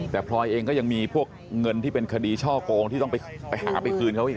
แต่พลอยเองก็ยังมีพวกเงินที่เป็นคดีช่อโกงที่ต้องไปหาไปคืนเขาอีก